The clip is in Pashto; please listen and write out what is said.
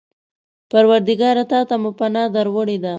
پروردګاره! تا ته مو پناه در وړې ده.